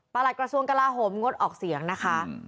หลักกระทรวงกลาโหมงดออกเสียงนะคะ